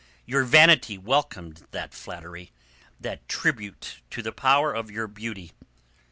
Your vanity welcomed that flattery, that tribute to the power of your beauty.